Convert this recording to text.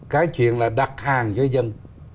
cái chuyện là đặt hàng cho dân